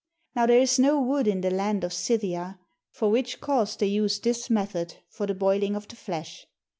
Now there is no wood in the land of Scythia, for which cause they use this method for the boiling of the flesh.